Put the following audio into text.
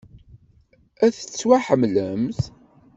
Ad tettwaḥemmlemt.